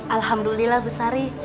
alhamdulillah bu sari